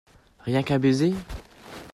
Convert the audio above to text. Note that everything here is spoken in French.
Rien qu’un baiser ?